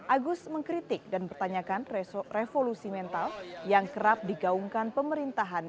agus mengkritik dan bertanyakan revolusi mental yang kerap digaungkan pemerintahan